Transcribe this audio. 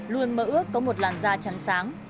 luôn mơ ước có một làn da trắng sáng